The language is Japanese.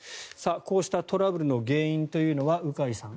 こうしたトラブルの原因というのは鵜飼さん